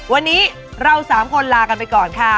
วันนี้เรา๓คนลากันไปก่อนค่ะ